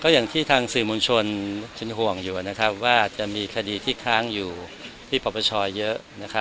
อย่างที่ทางสื่อมวลชนเป็นห่วงอยู่ว่าจะมีคดีที่ค้างอยู่ที่ปปชเยอะ